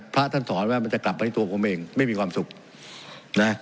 พระท่านสอนว่ามันจะกลับไปที่ตัวผมเองไม่มีความสุขนะ